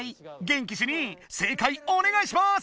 元気主任正解おねがいします！